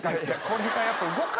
これがやっぱ動か。